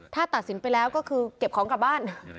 ถ้าตัดสินไปแล้วก็คือเก็บของกลับบ้าน